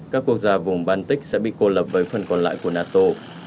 các quốc gia vùng baltic sẽ bị cô lập với phần còn lại của nato